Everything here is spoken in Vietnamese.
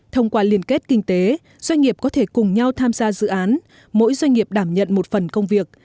thông qua liên kết kinh tế doanh nghiệp có thể cùng nhau tham gia dự án mỗi doanh nghiệp đảm nhận một phần công việc